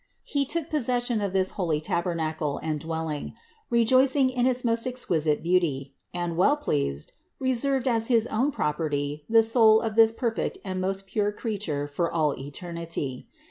He took possession of this holy tabernacle and dwelling; rejoicing in its most exquisite beauty, and, well pleased, reserved as his own property the soul of this most perfect and most pure Creature for all eternity.